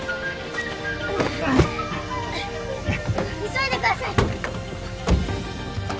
急いでください